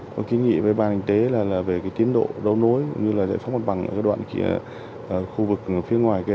với ban hành tế là về tiến độ đấu nối như là giải phóng bằng bằng các đoạn khu vực phía ngoài kia